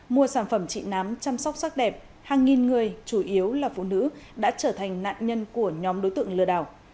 mua sản phẩm trị nám chăm sóc sắc đẹp hàng nghìn người chủ yếu là phụ nữ đã trở thành nạn nhân của nhóm đối tượng lừa đảo